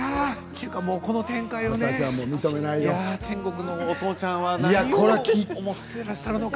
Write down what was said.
この展開は天国のお父ちゃんはなんと思ってらっしゃるのか。